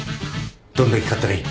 どんだけ買ったらいい？